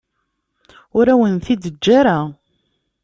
Ur awen-t-id-teǧǧa ara.